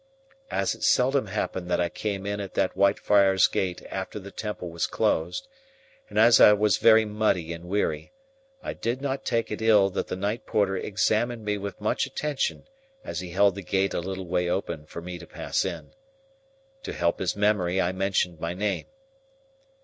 As it seldom happened that I came in at that Whitefriars gate after the Temple was closed, and as I was very muddy and weary, I did not take it ill that the night porter examined me with much attention as he held the gate a little way open for me to pass in. To help his memory I mentioned my name.